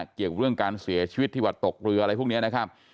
เกี่ยวเรื่องการเสียชีวิตที่วัดตกเรืออะไรพวกนี้นะครับ